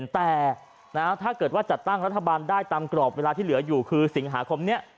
แต่ถ้าเกิดว่าจัดตั้งรัฐบาลได้ตามกรอบเวลาที่เหลืออยู่คือสิงหาคมนี้